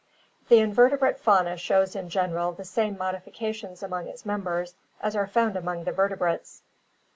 The invertebrate fauna shows in general the same modifications among its members as are found among the vertebrates.